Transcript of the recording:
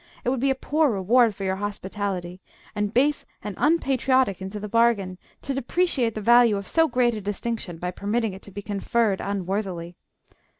It would be a poor reward for your hospitality, and base and unpatriotic into the bargain, to depreciate the value of so great a distinction by permitting it to be conferred unworthily.